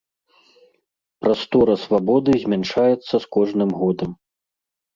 Прастора свабоды змяншаецца з кожным годам.